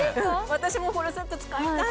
私もこのセット使いたいわ。